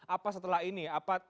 apa setelah ini